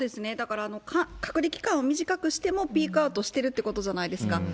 だから、隔離期間を短くしてもピークアウトしてるってことじゃないですか。